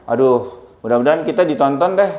aduh mudah mudahan kita ditonton deh